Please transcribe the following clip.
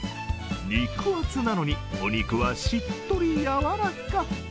肉厚なのにお肉はしっとり柔らか。